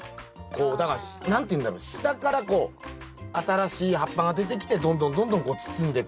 だから何て言うんだろ下からこう新しい葉っぱが出てきてどんどんどんどんこう包んでく。